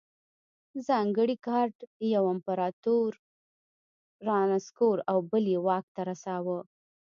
ځانګړي ګارډ یو امپرتور رانسکور او بل یې واک ته رساوه.